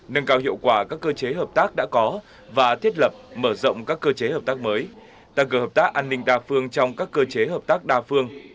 nâng cao hiệu quả các cơ chế hợp tác đã có và thiết lập mở rộng các cơ chế hợp tác mới tăng cơ hợp tác an ninh đa phương trong các cơ chế hợp tác đa phương